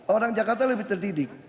orang jakarta lebih tertidik